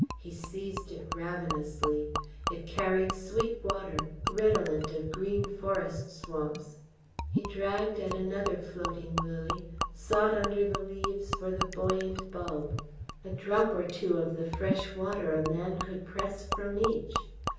He seized it ravenously. It carried sweet water, redolent of green forest swamps! He dragged at another floating lily, sought under the leaves for the buoyant bulb. A drop or two of the fresh water a man could press from each!